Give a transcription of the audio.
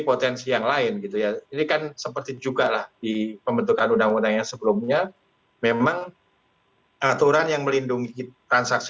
potensi yang lain gitu ya ini kan seperti juga lah di pembentukan undang undang yang sebelumnya memang